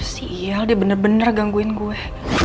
si iyal dah bener bener gangguin gue